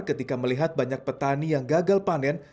ketika melihat banyak petani yang gagal panen